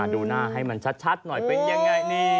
ดูหน้าให้มันชัดหน่อยเป็นแบบไง